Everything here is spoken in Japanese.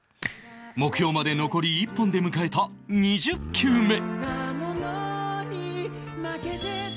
目標まで残り１本で迎えた２０球目